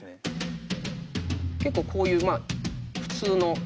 結構こういう普通の。